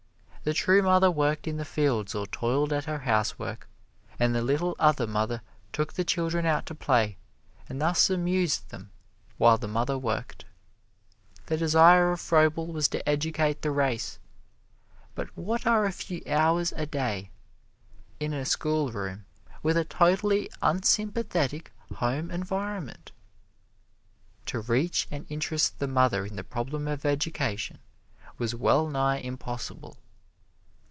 The true mother worked in the fields or toiled at her housework, and the little other mother took the children out to play and thus amused them while the mother worked. The desire of Froebel was to educate the race, but what are a few hours a day in a schoolroom with a totally unsympathetic home environment! To reach and interest the mother in the problem of education was well nigh impossible.